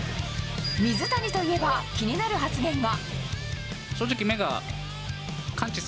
水谷といえば、気になる発言が。